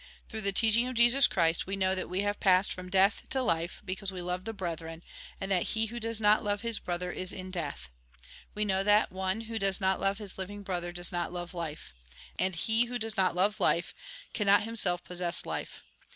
Through the teaching of Jesus Christ, we know that we have passed from death to life, because we love the brethren, and that he who does not love his brother is in death. AVe know that one who does not love his living brother does not love life. And he who does not love life cannot himself possess life.